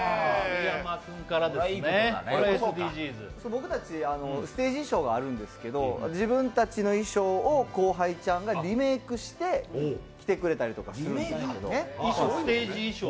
僕たちステージ衣装があるんですけど自分たちの衣装を後輩ちゃんがリメークして着てくれたりするんです。